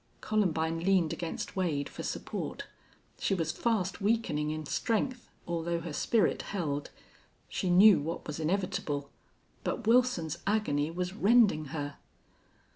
Columbine leaned against Wade for support. She was fast weakening in strength, although her spirit held. She knew what was inevitable. But Wilson's agony was rending her.